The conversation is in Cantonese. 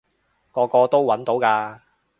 個個都搵到㗎